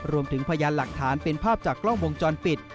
พยานหลักฐานเป็นภาพจากกล้องวงจรปิด